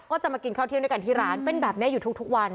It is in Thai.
ก็จะมากินข้าวเที่ยงด้วยกันที่ร้านเป็นแบบนี้อยู่ทุกวัน